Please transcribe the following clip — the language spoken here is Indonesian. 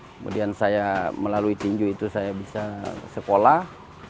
kemudian saya melalui tinju itu saya bisa sekolah